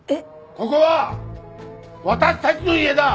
ここは私たちの家だ！